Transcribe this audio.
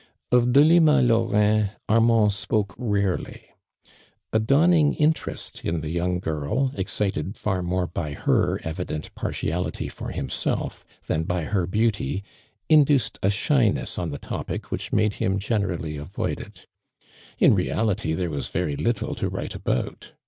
Of Delima Lauiin, Armand spoke rarely. A dawning interest in the young girl, excited far more by her evident partiality for himself than by her beauty, induced a shyness on the topic which made him gene rally avoid it. In reality, there yt&a very little to write about.